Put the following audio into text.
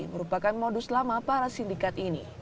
merupakan modus lama para sindikat ini